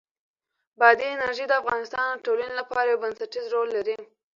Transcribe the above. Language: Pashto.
بادي انرژي د افغانستان د ټولنې لپاره یو بنسټيز رول لري.